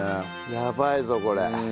やばいぞこれ。